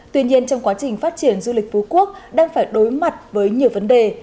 tuy nhiên trong quá trình phát triển du lịch phú quốc đang phải đối mặt với nhiều vấn đề